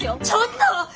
ちょっと！